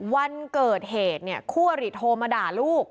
วันเกิดเหตุเนี่ยคู่อริโทรมาด่าลูก